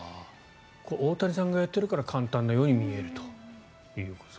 大谷さんがやっているから簡単なように見えるということです。